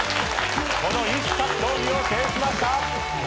この異種格闘技を制しました。